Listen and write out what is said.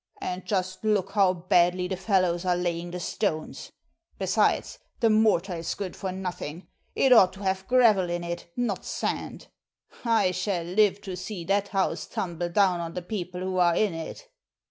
and just look how badly the fellows are laying the stones! Besides, the mortar is good for nothing! It ought to have gravel in it, not sand. I shall live to see that house tumble down on the people who are in it."